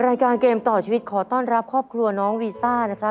รายการเกมต่อชีวิตขอต้อนรับครอบครัวน้องวีซ่านะครับ